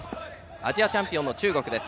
アジアチャンピオンの中国です。